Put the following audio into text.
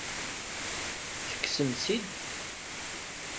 Tekksem-tt-id?